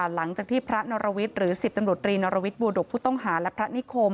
หลังจากที่พระนรวิทย์หรือ๑๐ตำรวจรีนรวิทยบัวดกผู้ต้องหาและพระนิคม